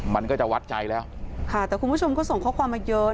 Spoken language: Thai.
มันก็จะวัดใจแล้วค่ะแต่คุณผู้ชมก็ส่งข้อความมาเยอะ